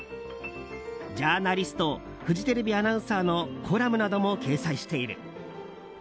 ジャーナリストフジテレビアナウンサーのコラムなども掲載されている。